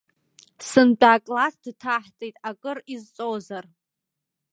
Сынтәа акласс дҭаҳҵеит, акыр изҵозар!